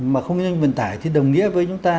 mà không nhân vận tải thì đồng nghĩa với chúng ta